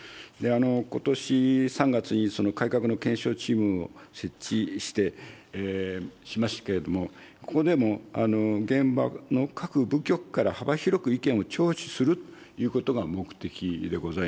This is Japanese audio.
ことし３月に、改革の検証チームを設置して、しましたけれども、ここでも現場の各部局から幅広く意見を聴取するということが目的でございます。